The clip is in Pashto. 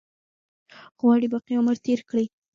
غواړي باقي عمر تېر کړي.